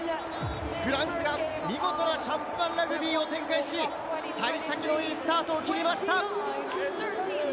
フランスが見事にシャンパンラグビーを展開し、幸先のいいスタートを切りました。